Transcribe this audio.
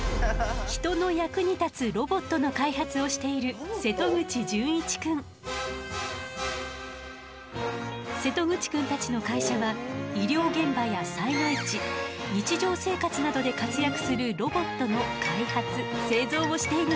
人の役に立つロボットの開発をしている瀬戸口くんたちの会社は医療現場や災害地日常生活などで活躍するロボットの開発・製造をしているの。